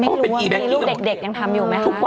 ไม่รู้มันมีลูกเด็กยังทำอยู่ไหมครับ